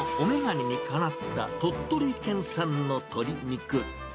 ご主人のお眼鏡にかなった鳥取県産の鶏肉。